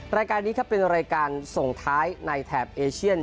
รายการนี้ครับเป็นรายการส่งท้ายในแถบเอเชียน